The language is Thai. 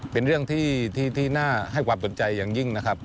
เป็นเรื่องที่น่าให้ความสนใจอย่างยิ่งนะครับ